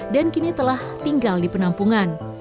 dan kini telah tinggal di penampungan